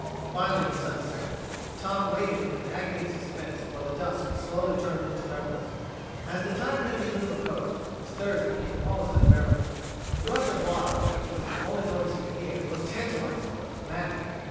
Finally the sun set, and Tom waited in an agony of suspense while the dusk slowly turned into darkness. As the time for him to move approached, his thirst became almost unbearable. The rush of the water, which was the only noise he could hear, was tantalizing, maddening.